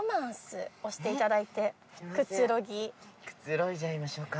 くつろいじゃいましょうか。